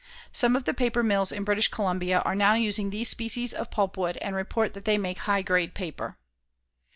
Some of the paper mills in British Columbia are now using these species of pulpwood and report that they make high grade paper.